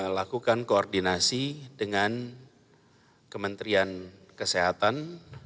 lakukan koordinasi dengan kementerian kesehatan